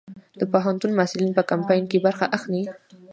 د پوهنتون محصلین په کمپاین کې برخه اخلي؟